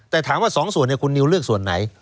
แต่ถามว่า๒ส่วนคุณนิวเลือกส่วนไหน